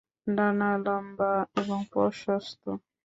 ডানা লম্বা এবং প্রশস্ত।